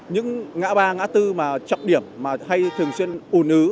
những ngã ba ngã tư chọc điểm hay thường xuyên ủn ứ